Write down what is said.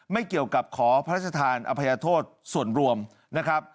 ไม่เกี่ยวกับขอพระราชทานอภัยโทษส่วนรวมนะครับ